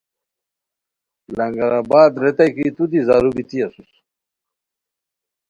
لنگر آباد ریتائے کی تو دی زارو بیتی اسوس